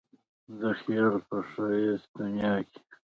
د خیال په ښایسته دنیا کې.